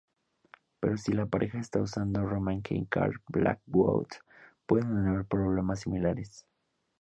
Pero si la pareja está usando Roman Key-Card Blackwood pueden haber problemas similares.